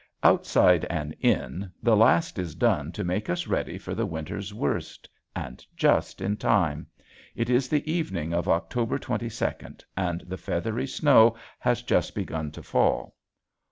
Outside and in the last is done to make us ready for the winter's worst, and just in time! It is the evening of October twenty second and the feathery snow has just begun to fall.